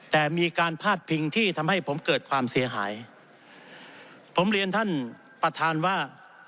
แต่มีการพาดพิงที่ทำให้ผมเกิดความเสียหายผมเรียนท่านประธานว่า